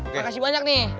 makasih banyak nih